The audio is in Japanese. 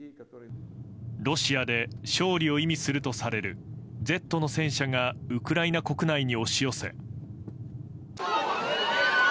ロシアで勝利を意味するとされる「Ｚ」の戦車がウクライナ国内に押し寄せ。